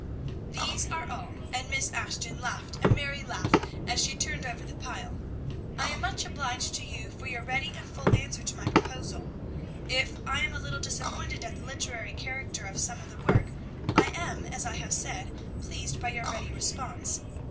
"These are all," and Miss Ashton laughed a merry laugh as she turned over the pile. "I am much obliged to you for your ready and full answer to my proposal. If I am a little disappointed at the literary character of some of the work, I am, as I have said, pleased by your ready response.